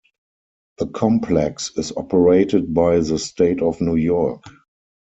The complex is operated by the state of New York.